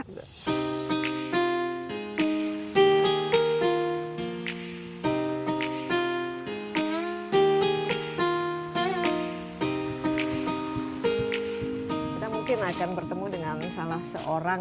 kita mungkin akan bertemu dengan salah seorang